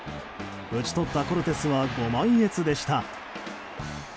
打ち取ったコルテスはご満悦でした。